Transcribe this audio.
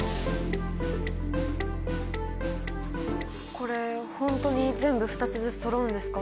これ本当に全部２つずつそろうんですか？